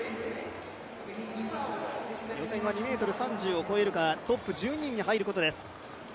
予選は２ｍ３０を越えるか、トップ１０人に入ることです。